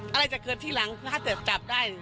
อะไรจะเกิดทีหลังถ้าเกิดจับได้